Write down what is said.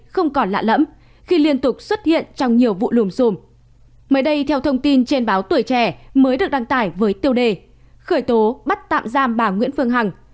khởi tố bắt tạm giam bà nguyễn phương hằng